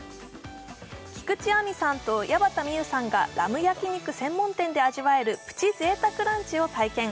菊地亜美さんと矢端名結さんがラム焼肉専門店で味わえるプチ贅沢ランチを体験